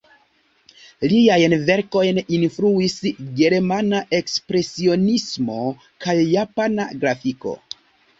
Liajn verkojn influis germana ekspresionismo kaj japana grafiko.